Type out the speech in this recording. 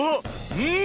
うん！